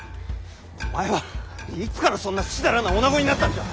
お前はいつからそんなふしだらなおなごになったんじゃ！